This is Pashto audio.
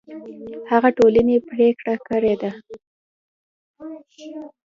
هغه ټولنې پرېکړه کړې ده